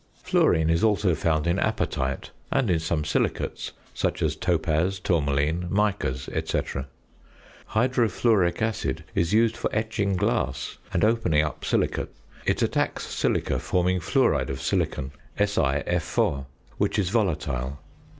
Fluorine is also found in apatite, and in some silicates, such as topaz, tourmaline, micas, &c. Hydrofluoric acid is used for etching glass and opening up silicates. It attacks silica, forming fluoride of silicon (SiF_), which is volatile.